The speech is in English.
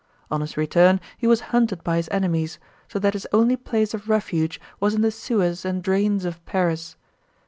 On his return he was hunted by his enemies, so that his only place of refuge was in the sewers and drains of Paris.